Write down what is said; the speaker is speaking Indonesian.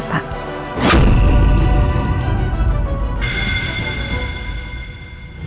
bapak sudah siap